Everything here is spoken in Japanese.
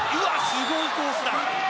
すごいコースだ。